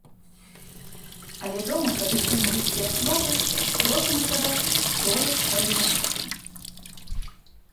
Але дома, калі чуем рускія словы, просім сказаць тое ж па-беларуску.